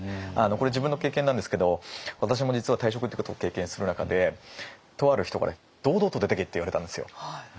これ自分の経験なんですけど私も実は退職っていうことを経験する中でとある人から「堂々と出ていけ」って言われたんですよ。